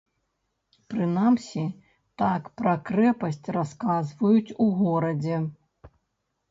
Прынамсі, так пра крэпасць расказваюць у горадзе.